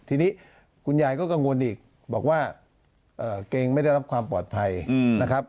ทีนี้คุณยายก็กังวลอีกบอกว่าเกรงไม่ได้รับความปลอดภัยนะครับ